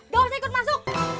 dong ikut masuk